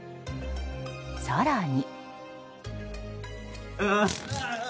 更に。